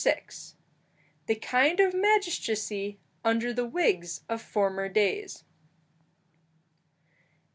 THE KIND OF MAGISTRACY UNDER THE WIGS OF FORMER DAYS.